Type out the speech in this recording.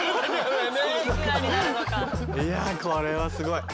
いやこれはすごい。